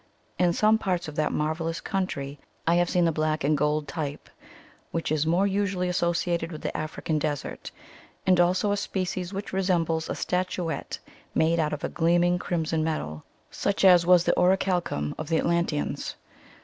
In some parts of that marvellous country I have seen the black and gold type which is more usually associated with the African desert, and also a species which resembles a statu ette made out of a gleaming crimson metal, such as was the orichalcum of the Atlan teans.